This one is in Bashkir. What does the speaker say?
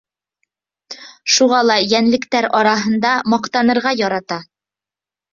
Шуға ла йәнлектәр араһында маҡтанырға ярата.